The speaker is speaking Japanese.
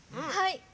はい。